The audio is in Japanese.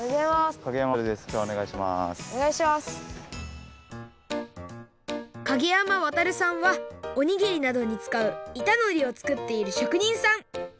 景山航さんはおにぎりなどにつかういたのりをつくっているしょくにんさん！